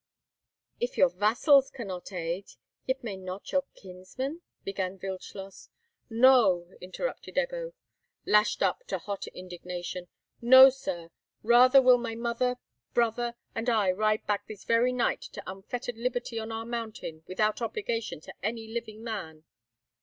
"If your vassals cannot aid, yet may not your kinsman—?" began Wildschloss. "No!" interrupted Ebbo, lashed up to hot indignation. "No, sir! Rather will my mother, brother, and I ride back this very night to unfettered liberty on our mountain, without obligation to any living man."